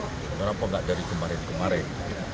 kenapa nggak dari kemarin kemarin